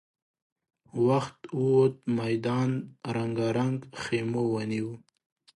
وخت ووت، ميدان رنګارنګ خيمو ونيو.